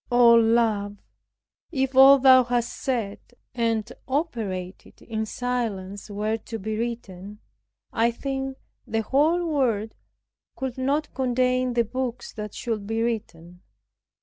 Oh Love, if all thou hast said and operated in silence were to be written, I think the whole world could not contain the books that should be written.